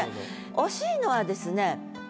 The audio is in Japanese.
惜しいのはですね